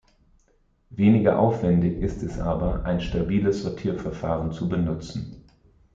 Weniger aufwändig ist es aber, ein stabiles Sortierverfahren zu benutzen.